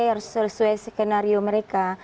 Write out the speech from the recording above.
harus sesuai skenario mereka